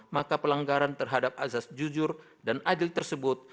maka pelanggaran terhadap azas jujur dan adil tersebut